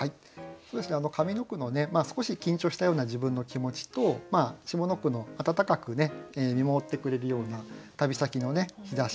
上の句の少し緊張したような自分の気持ちと下の句の温かく見守ってくれるような旅先の日差し。